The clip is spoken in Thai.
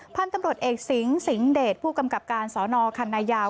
พันธุ์ตำรวจเอกสิงสิงห์เดชผู้กำกับการสอนอคันนายาว